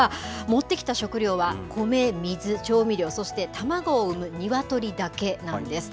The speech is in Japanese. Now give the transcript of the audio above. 持ってきた食料は米、水、調味料、そして卵を産むニワトリだけなんです。